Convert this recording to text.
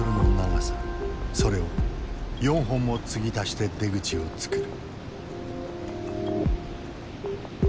それを４本も継ぎ足して出口を作る。